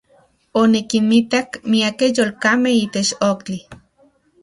Onikinmitak miakej yolkamej itech ojtli.